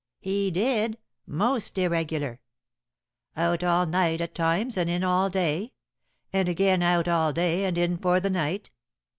"He did most irregular." "Out all night at times, and in all day? And again, out all day and in for the night?"